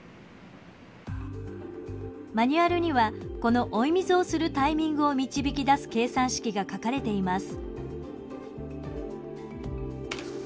マニュアルにはこの追い水をするタイミングを導き出す計算式が書かれています。